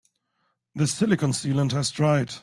The silicon sealant has dried.